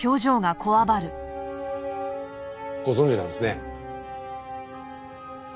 ご存じなんですね。